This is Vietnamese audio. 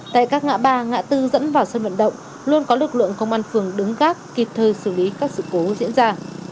tại các ngã ba ngã tư dẫn vào sân vận động luôn có lực lượng công an phường đứng gác kịp thời xử lý các sự cố diễn ra